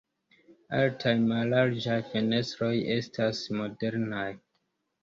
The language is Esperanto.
Altaj mallarĝaj fenestroj estas modernaj.